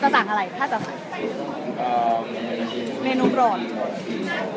จะสั่งอะไรข้ามนอก